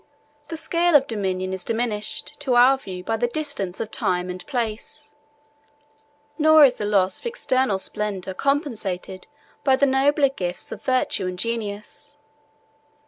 The scale of dominion is diminished to our view by the distance of time and place; nor is the loss of external splendor compensated by the nobler gifts of virtue and genius.